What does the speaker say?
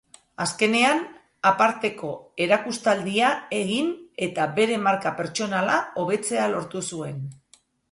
Azkenean aparteko erakustaldia egin eta bere marka pertsonala hobetzea lortu zuen.